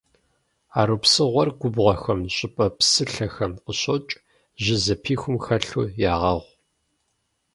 Арупсыгъуэр губгъуэхэм, щӏыпӏэ псылъэхэм къыщокӏ, жьы зэпихум хэлъу ягъэгъу.